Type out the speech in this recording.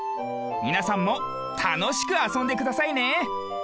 みなさんもたのしくあそんでくださいね。